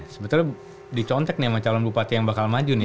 sebetulnya dicontek nih sama calon bupati yang bakal maju nih